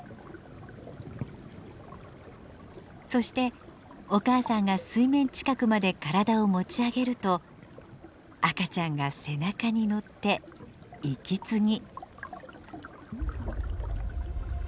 そしてお母さんが水面近くまで体を持ち上げると赤ちゃんが背中に乗って息継ぎ。